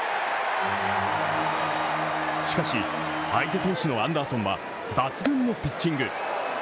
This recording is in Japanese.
しかし、相手投手のアンダーソンは抜群のピッチング。